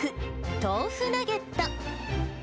豆腐ナゲット。